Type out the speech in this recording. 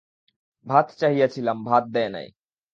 ভাত চাহিয়াছিলাম ভাত দেয় নাই।